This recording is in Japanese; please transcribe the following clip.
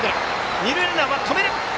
２人ランナーは止める。